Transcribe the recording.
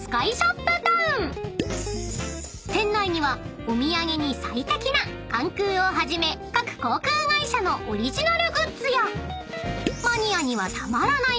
［店内にはお土産に最適な関空をはじめ各航空会社のオリジナルグッズやマニアにはたまらない